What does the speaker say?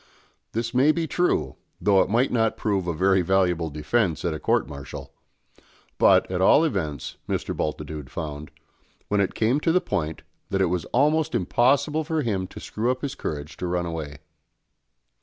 This may be true, though it might not prove a very valuable defence at a court martial; but, at all events, Mr. Bultitude found, when it came to the point, that it was almost impossible for him to screw up his courage to run away.